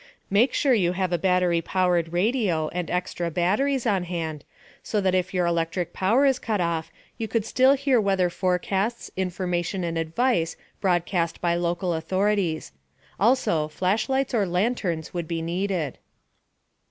Make sure you have a battery powered radio and extra batteries on hand, so that if your electric power is cut off you could still hear weather forecasts, information and advice broadcast by local authorities. Also, flashlights or lanterns would be needed.